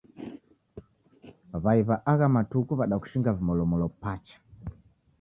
W'ai w'a agha matuku w'adakushinga vimolomolo pacha.